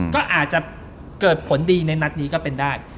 ก็อาจจะเกิดผลดีในนัดนี้ก็เป็นได้